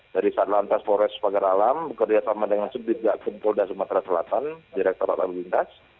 dari satlantas forest pagar alam kerja sama dengan subdivisual kumpul dan sumatera selatan direktur atas lintas